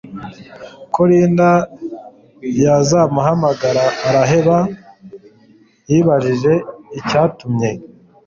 ko Linda yazamuhamagara araheba yibajije icyatumye